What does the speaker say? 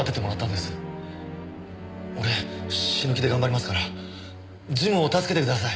俺死ぬ気で頑張りますからジムを助けてください。